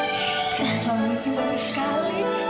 kamu juga bagus sekali